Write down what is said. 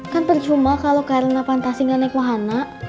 kan tercuma kalau ke arena pantasnya ga naik wahana